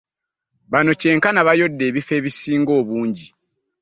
Bano kyenkana bayodde ebifo ebisinga obungi.